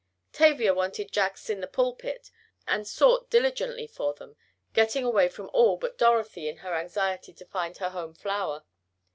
Tavia wanted Jacks in the pulpit, and sought diligently for them, getting away from all but Dorothy in her anxiety to find her home flower.